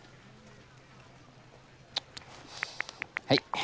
はい。